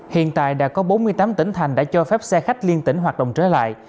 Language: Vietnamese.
hiện tại đã có bốn mươi tám tỉnh thành đã cho phép xe khách liên tỉnh hoạt động trở lại